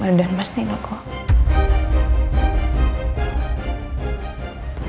jadi mama dan mas nino udah bisa pulang